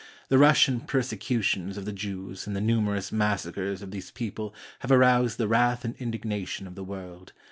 The Russian persecutions of the Jews and the numerous massacres of these people have arous&d the wrath and indignation of the world.